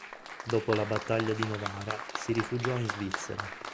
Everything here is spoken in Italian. Dopo la battaglia di Novara si rifugiò in Svizzera.